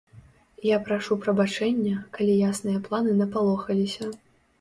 Я прашу прабачэння, калі ясныя паны напалохаліся.